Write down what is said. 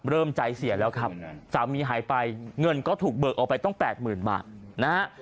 เริ่มใจเสียแล้วครับสามีหายไปเงินก็ถูกเบิกออกไปต้องแปดหมื่นบาทนะฮะ